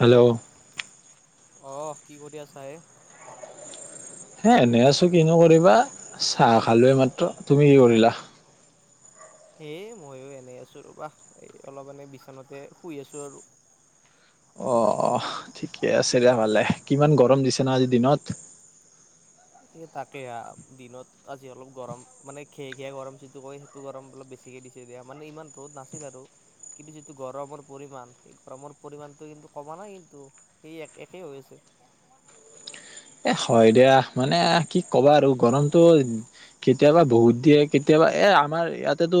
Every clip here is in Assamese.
হেল্ল', অ, অ', কি কৰি আছা এ,? হে, এনেই আছো, কিনো কৰিবা চাহ খালো এই। তুমি কি কৰিলা? হেই ময়ো এনেই আছো ৰবা, এই অলপ মান বিচানতে শুই আছো আৰু, অহ - অহ ঠিকে আছে দিয়া ভালে। কিমান গৰম দিছে ন', আজিৰ দিনত। এই তাকে হা, দিনত আজি অলপ গৰম মানে খে -ঘে গৰম যিটো কয়, সেইটো গৰম অলপ বেছিকে দিছে দিয়া, মানে ইমান ৰ'দ নাছিল আৰু কিন্তু যিটো গৰমৰ পৰিমান সেই গৰমৰ পৰিমানটো কিন্তু কমা নাই কিন্তু, সেই এক একেই হৈ আছে। এ, হয় দিয়া মানে কি ক'বা আৰু গৰমটো কেতিয়াবা বহুত দিয়ে কেতিয়াবা এই আমাৰ ইয়াতেতো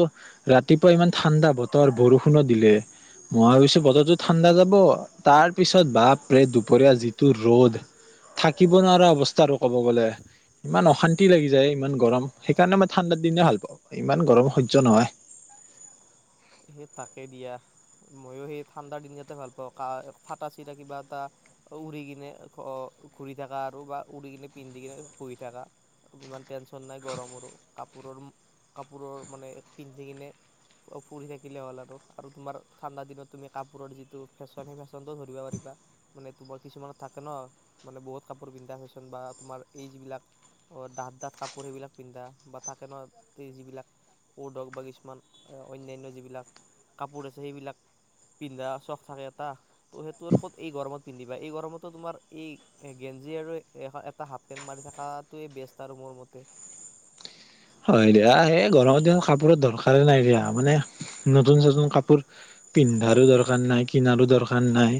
ৰাতিপুৱা ইমান ঠাণ্ডা বতৰ বৰষুণত দিলে মই ভাবিছোঁ বতৰটো ঠাণ্ডা যাব তাৰপিছত বাপ, দুপৰীয়া যিটো ৰ'দ, থা, নোৱাৰা- নোৱাৰা অৱস্থা আৰু ক'ব গ'লে, ইমান অশান্তি লাগি যায়, ইমান গৰম। সেইকাৰণে মই ঠাণ্ডাৰ দিনে ভাল পাওঁ, ইমান গৰম সহ্য নহয়, এ, তাকে দিয়া মইও সেই ঠাণ্ডাৰ দিনতে ভাল পাওঁ কা ফাটা- চিৰা কিবা এটা উৰি কিনে ঘূৰি থাকা আৰু বা উৰি কিনে পিন্ধি কিনে বহি থাকা ইমান টেনচন নাই গৰমৰো কাপোৰৰ -কাপোৰৰ মানে, হি কিনে ফুৰি থাকিলে হ'ল আৰু আৰু তোমাৰ ঠাণ্ডা দিনত তুমি কাপোৰৰ যিটো ফেশ্বন সেই ফেশ্বনতটোও ধৰিব পাৰিবা। মানে তোমাৰ কিছুমানত থাকে ন, মানে বহুত কাপোৰ পিন্ধা ফেশ্বন বা তোমাৰ এই যিবিলাক ডাঠ -ডাঠ কাপোৰ সেইবিলাক পিন্ধা বা থাকে ন, যিবিলাক কোড হক বা, কিছুমান অন্যান্য যিবিলাক কাপোৰ আছে সেইবিলাক পিন্ধা চখ থাকে এটা। ত' সেইটো আৰু ক'ত এই গৰমত পিন্ধিবা এই গৰমতো তোমাৰ এই গেঞ্জি আৰু এটা হাফ -পেণ্ট মাৰি থাকাটোৱে বেষ্ট আৰু মোৰ মতে। হয়, দিয়া এই গৰমৰ দিনত কাপোৰত দৰকাৰে নাই দিয়া মানে নতুন- চতুন কাপোৰ পিন্ধাৰো দৰকাৰ নাই, কিনাৰো দৰকাৰ নাই,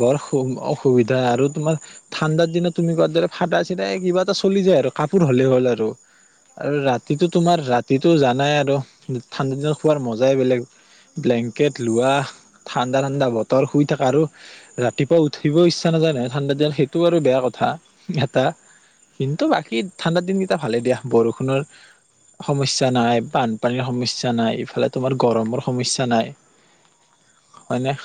বৰ সু- অসুবিধা আৰু তোমাৰ ঠাণ্ডাৰ দিনত তুমি কোৱাৰ দৰে ফাটা- চিতাই কিবা এটা চলি যায় আৰু কাপোৰ হ'লেই হ'ল আৰু আৰু ৰাত, তোমাৰ ৰাতিটো জানাই আৰু, ঠাণ্ডাৰ দিনত খোৱাৰ মজাই বেলেগ ব্লেংকেট লোৱা, ভাত, ঠাণ্ডা - ঠাণ্ডা বত, তৰ শুই থাকা আৰু ৰাতিপুৱা উঠিব ইচ্ছা নাজাই নহয় ঠাণ্ডা দিনত, সেইটো আৰু বেয়া কথা এটা। কিন্তু বাকী ঠাণ্ডা দিনকেইটা ভালেই দিয়া বৰষুণৰ। সমস্যা নাই, বানপানীৰ সমস্যা, স্যা নাই, এইপিনে তোমাৰ গৰমৰ সমস্যা নাই, হয়নে?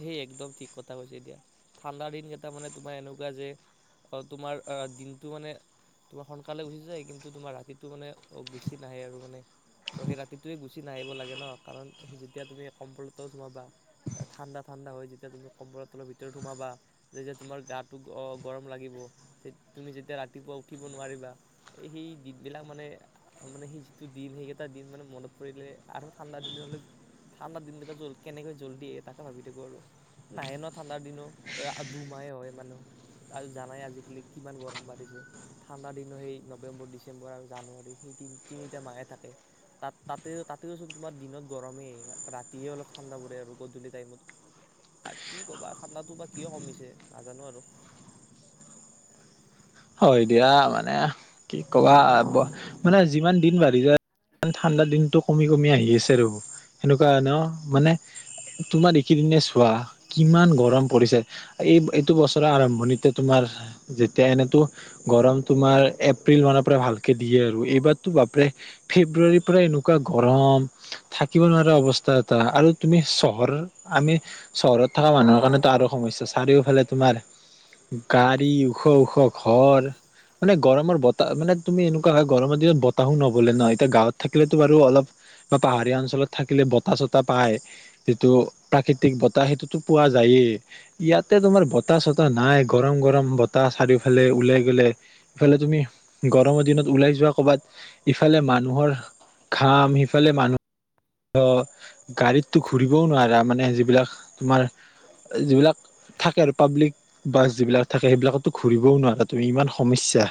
সেই একদম ঠিক কথা কৈছে দিয়া, ঠাণ্ডাৰ দিন কেইটা মানে তোমাৰ এনেকুৱা যে অ, তোমাৰ অ, দিনটো মানে তোমাৰ সোনকালে গুচি যায়, কিন্তু তোমাৰ ৰাতিটো মানে গুচি নাহে আৰু মানে আৰু সেই ৰাতিটোয়ে গুচি নাহিব লাগে ন, কাৰণ সি যেতিয়া তুমি কম্বলৰ তলত সোমাবা, ঠাণ্ডা, ঠাণ্ডা, হয় যেতিয়া তুমি কম্বলৰ তলৰ ভিতৰত সোমাবা, যেতিয়া তোমাৰ গাটো গ- -গৰম লাগিব, তে- তুমি যেতিয়া ৰাতিপুৱা উঠিব নোৱাৰিবা, এই সেই দিনবিলাক মানে, মানে সেই যিটো দিন সেইকেইটা দিন মানে মনত পৰিলে আৰু ঠাণ্ডা দিনলৈ, ঠাণ্ডা দিনকেইটা জল কেনেকৈ জল্দি আহে তাকে ভাবি থাকো আৰু নাহে ন ', ঠাণ্ডাৰ দিনো দুমাহে হয় মানে, জানাই আজিকালি কিমান গৰম বাঢ়িছে। ঠাণ্ডাৰ দিনো সেই নৱেম্বৰ, ডিচেম্বৰ আৰু জানুৱাৰী সেই তি- তিনিটা মাহে থাকে তাত- তাতে তাতেও চুন তোমাৰ দিনত গৰমেই ৰাতিয়ে অলপ ঠাণ্ডা পৰে আৰু গধু, কি ক'বা ঠাণ্ডাটো বা কিয় কমিছে নাজানো আৰু। হয়, দিয়া মানে কি কবা মানে যিমান দিন বাঢ়ি যায় ঠাণ্ডা দিনটো কমি- কমি আহি আছে ৰব সেনেকুৱা ন'মানে তোমাৰ এইকেইদিনে চোৱা কিমান গৰম পৰিছে এই- এইটো বছৰৰ আৰম্ভণিতে তোমাৰ যেতিয়া এনেতো, গৰম তোমাৰ এপ্ৰিল মানৰ পৰা ভালকে দিয়ে আৰু এইবাৰতো বাপৰে ফেব্ৰুৱাৰীৰ পৰা এনেকুৱা গৰম থাকিব নোৱাৰা অৱস্থা এটা আৰু তুমি চহৰৰ আমি চহৰত থকা মানুহৰ কাৰনেতো আৰু সমস্যা চাৰিওফালে তোমাৰ গাড়ী ওখ - ওখ, ঘৰ, মানে গৰমৰ বতাহ মানে তুমি এনেকুৱা হয়, গৰমৰ দিনত বতাহো নবলে ন? এতিয়া গাঁৱত থাকিলেতো বাৰু অলপ বা পাহাৰীয়া অঞ্চলত থাকিলে বতাহ- চতাহ পায় যিটো প্ৰাকৃতিক বতাহ সেইটোতো পোৱা যায়েই, ইয়াতে তোমাৰ বতাহ- চতাহ নাই, গৰম -গৰম বতাহ চাৰিও, ইফালে ওলাই গলে ইফালে তুমি গৰমৰ দিনত ওলাই যোৱা ক'বাত ইফালে মানুহৰ ঘাম সিফালে মানুহ, ধ, গাড়ীততো ঘুৰিবও নোৱাৰা মানে যিবিলাক তোমাৰ যিবিলাক থাকে আৰু পাব্লিক বাছ যিবিলাক থাকে, সেইবিলাকতটো ঘুৰিবও নোৱাৰা তুমি ইমান সমস্যা।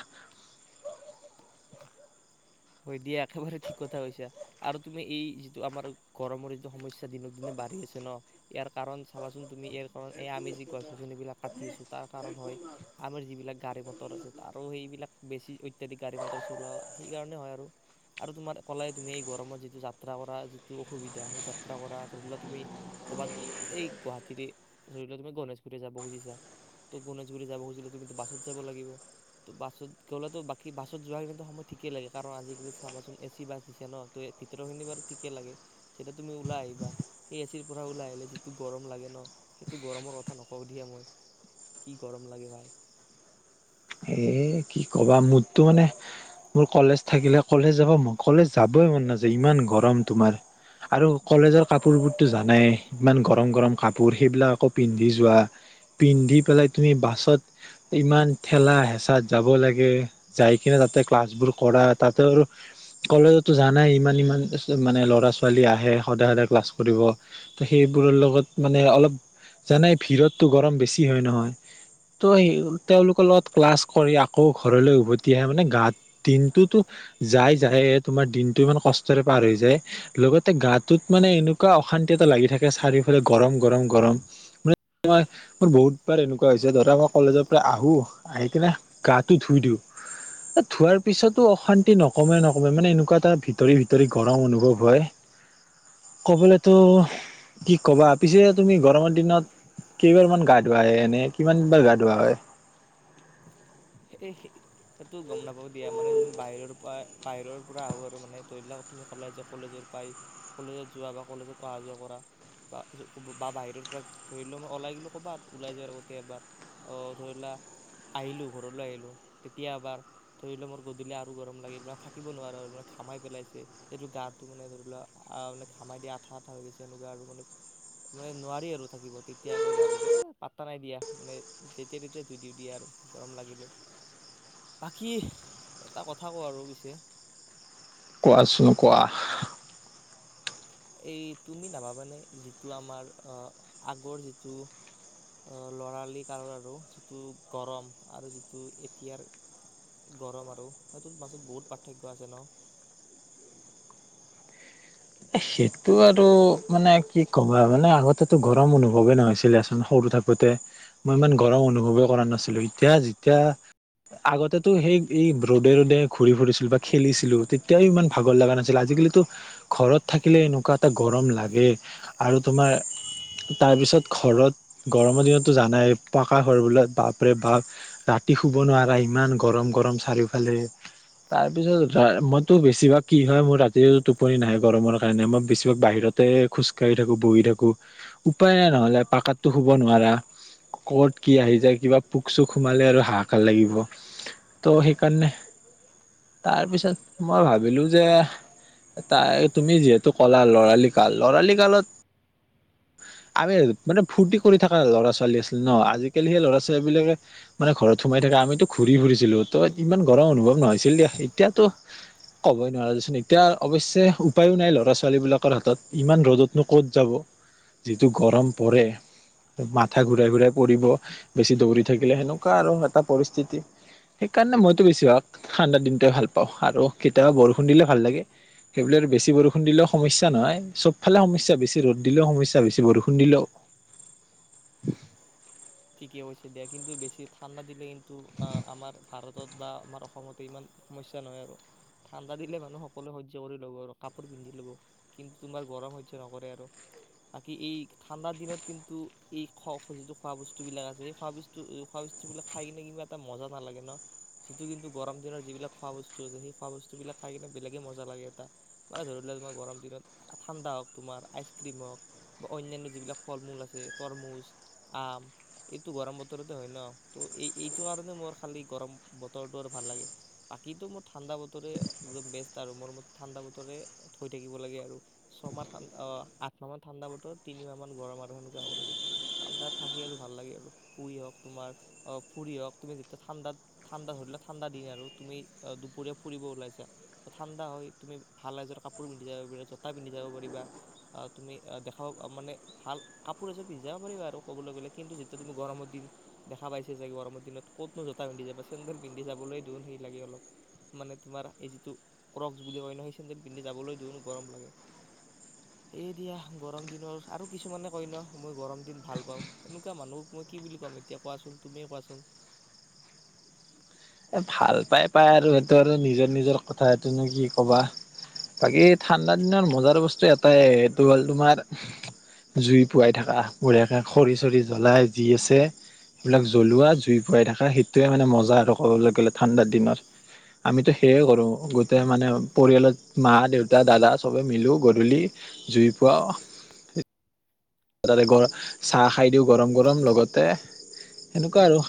হয় দিয়া একেবাৰে ঠিক কথা কইছা আৰু তুমি এই যিতো আমাৰ গৰমৰ দিনৰ সম্যচা দিনক দিনে বাঢ়ি আছে ন ইয়াৰ কাৰণ চাবাচোন তুমি ইয়াৰ কাৰণ এই আমি যি ক গজনিবিলাক কাটি আছো তাৰ কাৰণ হয় আমাৰ যিবিলাক গাড়ী, মটৰ আছে আৰু সেইবিলাক বেছি অত্যাধিক গাড়ী, মটৰ চলোৱা সেইকাৰণে- আৰু তোমাৰ ক'ললে তুমি এই গৰমত যিটো যাত্ৰা কৰা যিটো অসুবিধা সেই যাত্ৰা কৰা ধৰি লোৱা তুমি ক'ৰবাত এই গুৱাহাটীৰে ধৰি লোৱা তুমি গণেশগুৰি যাব খুজিছা ত' গণেশগুৰি যাব খুজিলে তুমিতো বাছত যাব লাগিব ত' বাছত গ'লেতো বাকী বাছত যোৱা কিো সময় ঠিকেই লাগে। কাৰণ আজিকালি চাবাচোন এ চি বাছ দিছে ন ভিতৰখিনি বাৰু ঠিকে লাগে তেইতিয়া তুমি ওলাই আহিবা সেই এচিৰ পৰা ওলাই আহিলে যিটো গৰম লাগে ন সেইটো গৰমৰ কথা নকওঁ দিয়া মই কি গৰম লাগে ভাই এ কি ক'বা মোতো মানে, মোৰ কলেজ থাকিলে কলেজ যাব মো খলেজ যাবই মন নাযায়, ইমান গৰম তোমাৰ আৰু কলেজৰ কাপোৰবোৰতো জানাই, ইমান গৰম গৰম কাপোৰ সেইবিলাক আকৌ পিন্ধি, যোৱা পিন্ধি, পেলাই তুমি বাছত ইমান ঠেলা হেঁচাত যাব লাগে যাই কিনে তাতে ক্লাছবোৰ কৰা তাতে আৰু কলেজতো জানাই ইমান ইমান মানে ল'ৰা ছোৱালী আহে সদায় সদায় ক্লাছ কৰিব তো সেইবোৰৰ লগত মানে অলপ জানাই ভিৰততো গৰম বেছি হয় নহয় তো স তেওঁলোক স্কুলত ক্লাছ কৰি আকৌ ঘৰলৈ উভতি আহে মানে গাত দিনটোতো যাই যায়ে তোমাৰ দিনটো ইমান কষ্টৰে পাৰ হৈ যায় লগতে গাটোত মানে এনেকুৱা অশান্তি এটা লাগি থাকে চাৰিওফালে গৰম গৰম গৰম মানেই মোৰ বহুতবাৰ এনেকুৱা হৈছে ধৰা মই কলেজৰ পৰা আহোঁ আহি কিনে গাটো ধুই দিওঁ ধোৱাৰ পিছতো অশান্তি নকমে নকমে মানে এনেকুৱা এটা ভিতৰি ভিতৰি গৰম অনুভৱ হয় কবলৈতো কি কবা পিছে তুমি গৰমৰ দিনত কেইবাৰ মান গা ধুৱ আহে এনে কিমান বাৰ গা ধোৱাা হয়। স সেইটো গম নাপাব দিয়া মানে য বাহিৰৰ পৰা বাহিৰৰ পৰা আহো আৰু মানে ধৰি লা তুমি কলাই যোৱা কলেজৰ পাই কলেজত যোৱা বা কলেজত অহা যোৱা কৰা বা বা বাহিৰৰ পৰা ধৰিোৱা ম ওলাই গিলো ক'বাত ওলাই যা আৰু গোটেই এবাৰ ধৰিলা আহিলো। ঘৰলৈ আহিলো তেতিয়া এবাৰ ধৰি লোৱা মোৰ গধূলি আৰু গৰম লাগিল মানে থাকিব নোৱাৰো আৰু মানে ঘামাই পেলাইছে সেইটো গাটো মানে ধৰি লোৱা আহ মানে ঘামাই দিয়া আঠা আঠা হৈ গৈছে এনেকুৱা আৰু মানে মানে নোৱাৰি আৰু থাকিব তেতিয়া এবাৰ গাটো এ পাতা নাই দিয়া মানে যেতিয়া তেতিয়া ধুই দি দিয়া আৰু গৰম লাগিলে, বাকী এটা কথা কওঁ আৰু পিছে কোৱোচোন‌ কোৱো এই তুমি নাভাবানে যিটো আমাৰ আগৰ যিটো লৰালি কালৰ আৰু যিটো গৰম আৰু যিটো এতিয়াৰ গৰম আৰু সেইটো মাজত বহুত পাৰ্থক্য আছে ন। সেইটো আৰু মানে কি কবা মানে আগতেটো গৰম অনুভৱে নহৈছিলেচোন সৰু থাকোতে, মই ইমান গৰম অনুভৱে কৰা নাছিলো।, এতিয়া যেতিয়া, আগতেটো সেই এই ৰ'দে ৰ'দে ঘূৰি ফুৰিছিল বা খেলিছিলো তেতিয়াও ইমান ভাগৰ লগা নাছিল আজিকালিতো ঘৰত থাকিলে এনেকুৱা এটা গৰম লাগে আৰু তোমাৰ তাৰপিছত ঘৰত গৰমৰ দিনতো জানাই পকা ঘৰ বল বাপৰে বাপ ৰাতি শুব নোৱাৰা ইমান গৰম গৰম চাৰিওফালে তাৰপিছত মইতো বেছিভাগ কি হয় মোৰ ৰাতি টোপনি নাই। গৰমৰ কাৰণে মই বেছিভাগ বাহিৰতে খোজকাঢ়ি থাকোঁ বহি থাকোঁ উপায় নাই নহ'লে পাকাতটো শুব নোৱাৰা ক'ত কি আহি যায় কিবা পোক চোক সোমালে আৰু হাহাকাৰ লাগিব তো সেইকাৰণে তাৰপিছত মই ভাবিলোঁ যে তাই তুমি যিহেতু ক'লা লৰালি কাল, লৰালি কালত আমি মানে ফূুৰ্তি কৰি থকা ল'ৰা ছোৱালী আছিল ন। আজিকালি হে ল'ৰা ছোৱালী বিলাকে মানে ঘৰত সোমাই থাকে, আমিতো ঘূৰি ফুৰিছিলো তো ইমান গৰম অনুভৱ নহৈছিল দিয়া এতিয়াতো কবই নোৱাৰাচোন এতিয়া অৱশ্যে উপায়ো নাই ল'ৰা ছোৱালীবিলাকৰ হাতত ইমান ৰ'দতনো ক'ত যাব যিটো গৰম পৰে মাথা ঘূৰাই ঘূৰাই পৰিব বেছি দৌৰি থাকিলে সেনেকুৱা আৰু এটা পৰিস্থিতি সেইকাৰণে মইতো বেছিভাগ ঠাণ্ডা দিনটোৱে ভাল পাওঁ আৰু কেতিয়াবা বৰষুণ দিলে ভাল লাগে সেইব বেছ বে বৰষুণ, দিলেও সমস্যা নহয় চবফালে সমস্যা বেছি ৰ'দ দিলেও সমস্যা বেছি বৰষুণ দিলেও ঠিকেই হৈছে দে, কিন্তু বেছি ঠাণ্ডা দিলে কিন্তু আমাৰ ভাৰতৰ বা আমাৰ অসমতেই ইমান সমস্যা নহয় আৰু ঠাণ্ডা দিলে সকলো মানুহসকলো সৈয্য কৰি ল'ব পাৰে। কাপোৰৰ পিন্ধি ল'ব কিন্তু তোমাৰ গৰম সৈয্য নকৰে আৰু বাকী এই ঠান্ডা কিন্তু এই খ খোৱা সহযোগ- বস্তুবিলাক আছে সেই খোৱ বস্তু খোৱা বস্তুবিলাক খাই কিনে কিন্তুা এটা মজা নালাগে ন সিটো কিন্তু গৰম দিননৰ যিবিলাক খোৱা বস্তু আছে সেই খোৱ বস্তুবিলাক খাই কিনে বেলেগেই মজা লাগে এটা মানে ধৰি লোৱাক তোমাৰ গৰম দিনত ঠাণ্ডা হওক তোমাৰ আইচক্ৰীম হওক বা অন্যান্য যিবিলাক ফল- মূল আছে। তৰমুজ, আম, এইটো গৰম বতৰতে হয় ন ত এই এইটো কাৰণে মোৰ খালি গৰম বতৰটো আৰু ভাল লাগে বাকীো মোৰ ঠাণ্ডা বতৰে একদম বেষ্ট আৰু মোৰ ম ঠাণ্ডা বতৰে থৈ থাকিব লাগে আৰু ছমাহ আঠমাহ মান ঠাণ্ডা বতৰ তিনিমাহ মান গৰম আৰু সনেকা হ'ব লাগে ঠাণ্ডা থাকি আৰু ভাল লাগে আৰু শুই হওক তুমাৰ ফুৰি হওঁক তুমি যেতিয়া ঠাণ্ডাত ঠাণ্ডা ধৰিলে ঠাণ্ডা দিন আৰু তুমি দুপৰীয়া ফুৰিব ওলাইছা ঠাণ্ডা হয় তুমি ভালজৰ কাপোৰ পিন্ধি যাব পাৰিবা জোতা পিন্ধি যাব পাৰিবা তুমি দেখাও মানে ভাল কাপোৰ এজ পিন্ধি যাব পাৰিবা আৰু ক'বলৈ গ'লে কিন্তু যেতিয়া তুমি গৰমৰ দিন দেখা পাইছ যোগৈ গৰমৰ দিনত ক'তনো জোতা পিন্ধি যাবা চেণ্ডেল পিন্ধি যাবলৈ দেখোন সেই লাগে অলপ মানে তোমাৰ এই যিটো ক্ৰক্স বুলি কই ন সেই চেণ্ডেল পিন্ধি যাবলৈ দিওঁন গৰম লাগে সেয়েদয়া গৰম দিনৰ আৰু কিছুমানে কয় ন মই গৰম দিন ভাল পাওঁ সেনেকুৱা মানুহক মই কি বুলি কাম এতিয়া কোৱাচোন তুমি কোৱাচোন- ভাল পাই পাই আৰু সেইটো আৰু নিজৰ নিজৰ কথা এইটোনো কি ক'বা বাকী ঠাণ্ডা দিনৰত মজাৰ বস্তু এটাই এইটো হ'ল তোমাৰ জুই পোৱাই থাকা বঢ়ীয়াকে খৰি চৰি জ্বলাই যি আছে সেইবিলাক জ্বলোৱা জুই, পোৱাই থাকা সেইটোৱে মানে মজা আৰু- ক'বলৈ গলে ঠাণ্ডাৰ দিনত আমিতো সেয়ে কৰো গোটেই মানে পৰিয়ালত মা দেউতা দাদা চবে মিলো গধূলি জুই পোৱা। তাতে গ চাহ খাই দিওঁ গৰম গৰম লগতে সেনেকুৱা আৰু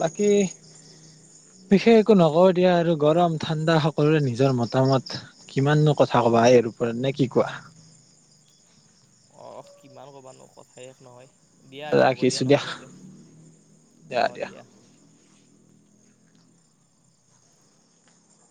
বাকী বিশেষ একো নকওঁ দিয়া আৰু গৰম ঠাণ্ডা সকলোৰে নিজৰ মতামত কিমাননো কথা ক'বা এইপৰত নে কি কোৱা অহ কিমান ক'ব নো কথাাই শেষ নহয়। দিয়া আজি হ'ব দিয়া নহ'লে তে অঁ দিয়া।